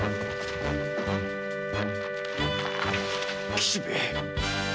吉兵衛！